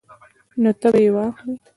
نو ته به یې واخلې